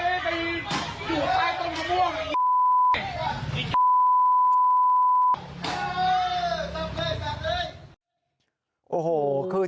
สับเลย